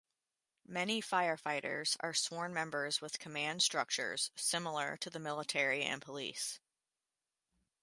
Many firefighters are sworn members with command structures similar to the military and police.